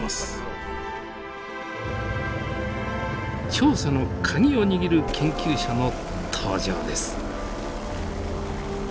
調査の鍵を握る研究者の登場です。